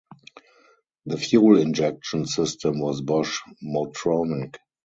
The fuel injection system was Bosch Motronic.